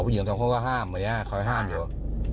อ๋อผู้หญิงทั้งข้องก็ห้ามเหมือนยังฮะเขาห้ามเดี๋ยว